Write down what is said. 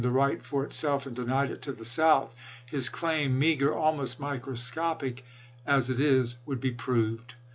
the right for itself and denied it to the South, his claim, meager — almost microscopic — as it is, would be proved.